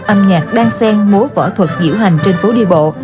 âm nhạc đang sen mối võ thuật diễu hành trên phố đi bộ